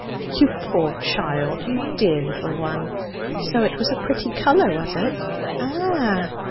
'You poor child! you dear little one! So it was a pretty colour, was it?' 'Ah!'